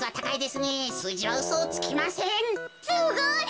すごい！